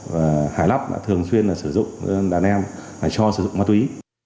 và hải lắp đã thường xuyên sử dụng đàn em cho sử dụng ma túy